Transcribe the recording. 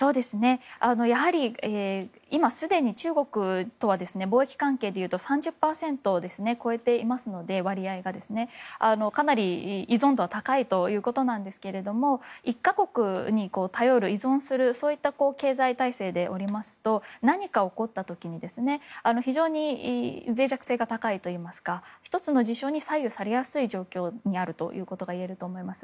やはり今すでに中国とは貿易関係でいうと３０％を超えていますので割合が、かなり依存度は高いということですが１か国に頼る、依存する経済体制でおりますと何かが起こった時に非常に脆弱性が高いというか１つの事象に左右されやすい状況にあるといえると思います。